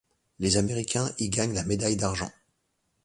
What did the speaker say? Les Américains y gagnent la médaille d'argent.